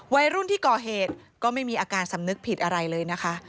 วัยรุ่นที่ก่อเหตุก็ไม่มีอาการสำนึกผิดอะไรเลยนะคะ